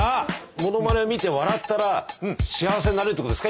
ものまね見て笑ったら幸せになれるってことですか？